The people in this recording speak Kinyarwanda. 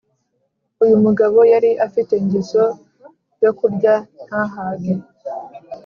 uyumugabo yari afite ingeso yo kurya ntahage